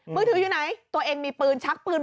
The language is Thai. มือถืออยู่ไหนตัวเองมีปืนชักปืนมา